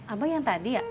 abang yang tadi ya